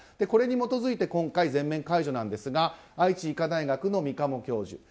これに基づいて今回全面解除なんですが愛知医科大学の三鴨教授。